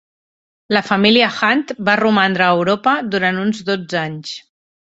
La família Hunt va romandre a Europa durant uns dotze anys.